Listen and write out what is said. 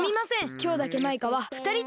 きょうだけマイカはふたりってことで。